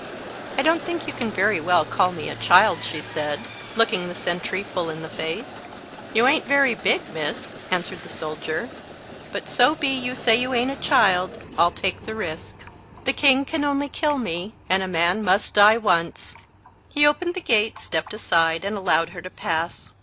—I don't think you can very well call me a child," she said, looking the sentry full in the face. "You ain't very big, miss," answered the soldier, "but so be you say you ain't a child, I'll take the risk. The king can only kill me, and a man must die once." He opened the gate, stepped aside, and allowed her to pass.